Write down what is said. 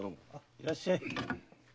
いらっしゃい！